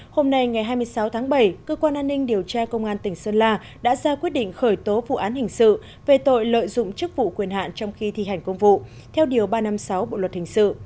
hôm nay ngày hai mươi sáu tháng bảy cơ quan an ninh điều tra công an tỉnh sơn la đã ra quyết định khởi tố vụ án hình sự về tội lợi dụng chức vụ quyền hạn trong khi thi hành công vụ theo điều ba trăm năm mươi sáu bộ luật hình sự